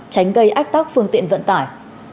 tránh gây ách tắc phương tiện vận tải